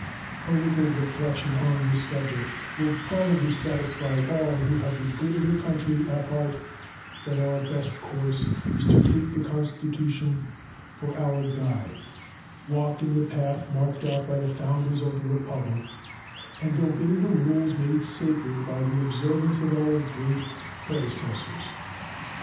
A little reflection on this subject will probably satisfy all who have the good of the country at heart that our best course is to take the Constitution for our guide, walk in the path marked out by the founders of the Republic, and obey the rules made sacred by the observance of our great predecessors.